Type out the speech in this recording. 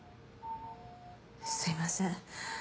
すみません